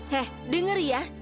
he denger ya